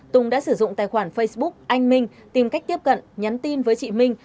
tùng đã sử dụng tài khoản facebook anh minh tìm cách tiếp cận nhắn tin với chị minh